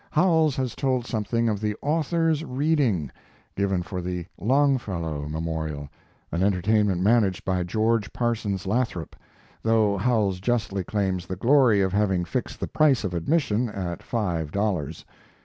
Howells has told something of the Authors' Reading given for the Longfellow Memorial, an entertainment managed by George Parsons Lathrop, though Howells justly claims the glory of having fixed the price of admission at five dollars.